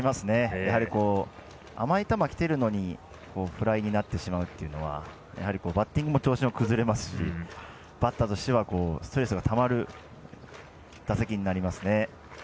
やはり甘い球きてるのにフライになってしまうのはバッティングの調子も崩れますしバッターとしては調子が崩れる打席になりますね。